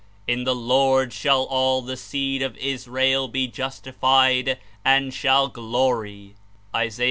'' ''In the Ix)RD shall all the seed of Israel be justified, and shall glory J' (Is.